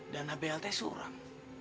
dana blt suram